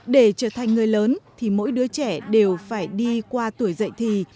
để trở thành người lớn thì mỗi đứa trẻ đều phải đi qua tuổi dậy thì